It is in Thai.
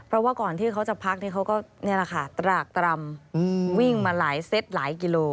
เพราะว่าก่อนที่เขาจะพักเขาก็นี่แหละค่ะตรากตรำวิ่งมาหลายเซตหลายกิโล